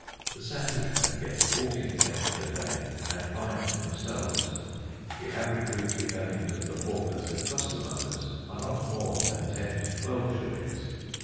The sandwich men get fourteenpence per day and find themselves. The average weekly earnings of the hawkers and costermongers are not more than ten to twelve shillings.